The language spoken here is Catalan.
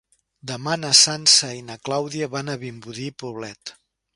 Demà na Sança i na Clàudia van a Vimbodí i Poblet.